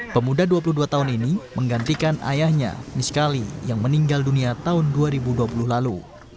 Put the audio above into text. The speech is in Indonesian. pemuda dua puluh dua tahun ini menggantikan ayahnya miskali yang meninggal dunia tahun dua ribu dua puluh lalu